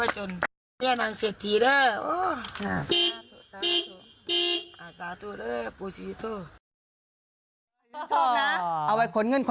จนสะกดบอกเลน